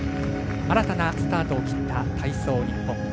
新たなスタートを切った体操日本。